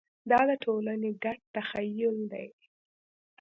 دا د ټولنې ګډ تخیل دی.